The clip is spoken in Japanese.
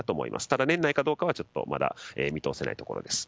ただ、年内かどうかはまだ見通せないところです。